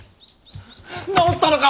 治ったのか！